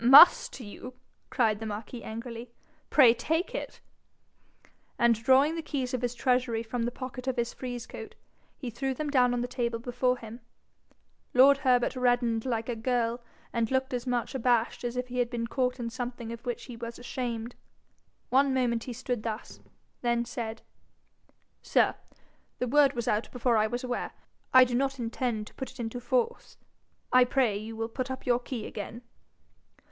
'MUST you?' cried the marquis angrily. 'Pray take it.' And drawing the keys of his treasury from the pocket of his frieze coat, he threw them down on the table before him. Lord Herbert reddened like a girl, and looked as much abashed as if he had been caught in something of which he was ashamed. One moment he stood thus, then said, 'Sir, the word was out before I was aware. I do not intend to put it into force. I pray will you put up your key again?'